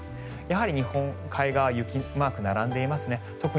やはり日本海側は雪マークが並んでいますね。